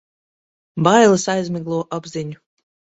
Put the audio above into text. Bailes aizmiglo apziņu.